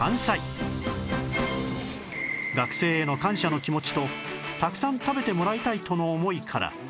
学生への感謝の気持ちとたくさん食べてもらいたいとの思いから